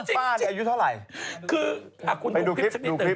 บ้าในอายุเท่าไหร่